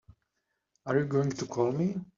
Are you going to call me?